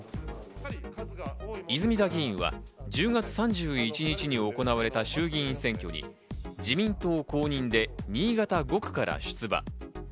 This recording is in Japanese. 泉田議員は１０月３１日に行われた衆議院選挙に自民党公認で新潟５区から出馬。